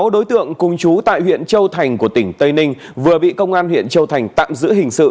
sáu đối tượng cùng chú tại huyện châu thành của tỉnh tây ninh vừa bị công an huyện châu thành tạm giữ hình sự